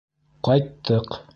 Ҡайттыҡ!